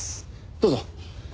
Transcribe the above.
どうぞ。